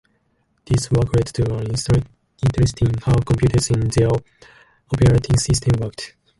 This work led to an interest in how computers and their operating systems worked.